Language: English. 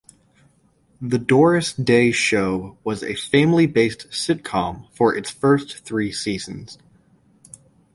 "The Doris Day Show" was a family-based sitcom for its first three seasons.